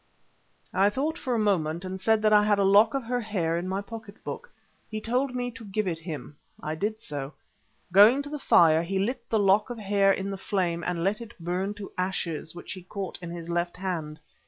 I thought for a moment, and said that I had a lock of her hair in my pocket book. He told me to give it him. I did so. Going to the fire, he lit the lock of hair in the flame, and let it burn to ashes, which he caught in his left hand.